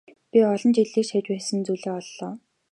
Би олон жил эрж хайж байсан зүйлээ оллоо.